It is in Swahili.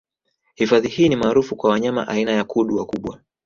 Hifadhi hii ni maarufu kwa wanyama aina ya kudu wakubwa